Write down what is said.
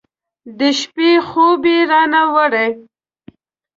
د شپې خوب یې رانه وړی